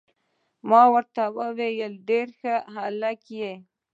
ما ورته وویل: ته ډیر ښه هلک يې.